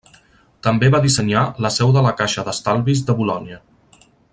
També va dissenyar la seu de la Caixa d'Estalvis de Bolonya.